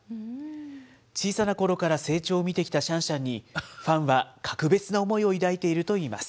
小さなころから成長を見てきたシャンシャンに、ファンは格別な思いを抱いているといいます。